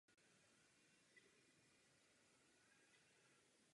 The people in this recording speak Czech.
O rok později získal také bronzovou medaili na olympiádě v Pekingu.